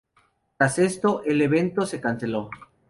Tras esto, el evento se canceló.